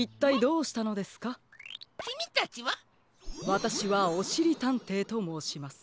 わたしはおしりたんていともうします。